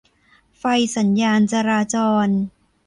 ไฟสัญญาณจราจร